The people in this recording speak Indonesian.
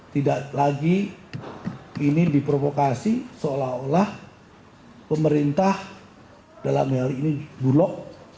tidak lagi ini diprovokasi seolah olah pemerintah dalam hal ini bulog